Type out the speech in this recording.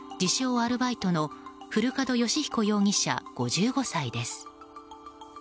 アルバイトの古門義彦容疑者、５５歳です。